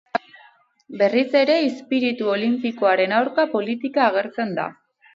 Berriz ere izpiritu olinpikoaren aurka, politika agertzen da.